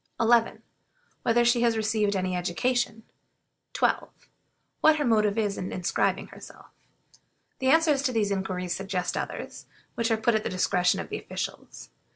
11. Whether she has received any education? 12. What her motive is in inscribing herself? The answers to these inquiries suggest others, which are put at the discretion of the officials.